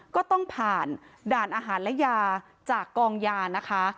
ก็ต้องผ่านด่านอาหารและยาจากกองยานะคะ